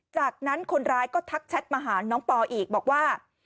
จากนั้นคนร้ายก็ทักแชทมาหาน้องปออีกบอกว่า